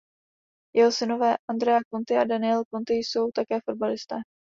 Jeho synové Andrea Conti a Daniele Conti jsou také fotbalisté.